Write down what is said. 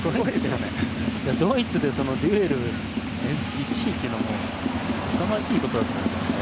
ドイツでデュエルが１位というのもすさまじいことだと思います。